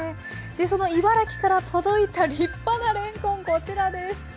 その茨城から届いた立派なれんこんこちらです。